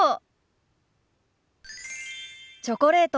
チョコレート。